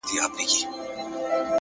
شپه په خندا ده ـ سهار حیران دی ـ